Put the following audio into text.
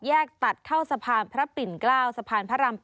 ตัดเข้าสะพานพระปิ่น๙สะพานพระราม๘